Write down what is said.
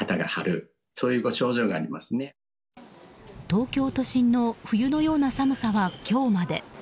東京都心の冬のような寒さは今日まで。